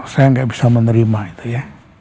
saya nggak bisa menerima itu ya